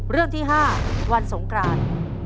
เรื่องที่๕วันสงกราน